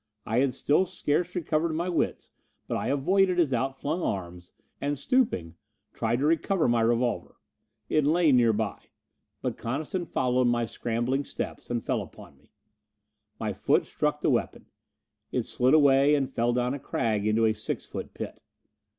I had still scarce recovered my wits, but I avoided his outflung arms, and, stooping, tried to recover my revolver. It lay nearby. But Coniston followed my scrambling steps and fell upon me. My foot struck the weapon; it slid away and fell down a crag into a six foot pit.